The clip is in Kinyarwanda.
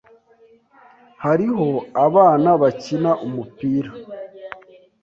Hariho abana bakina umupira